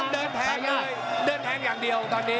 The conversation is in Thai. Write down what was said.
เดินแทงอย่างเดียวตอนนี้